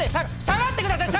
下がってください！